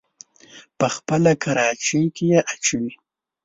په خپله کراچۍ کې يې اچوي.